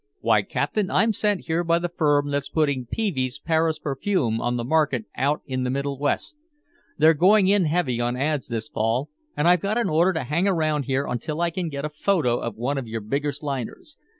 "Why, Captain, I'm sent here by the firm that's putting Peevey's Paris Perfume on the market out in the Middle West. They're going in heavy on ads this Fall and I've got an order to hang around here until I can get a photo of one of your biggest liners.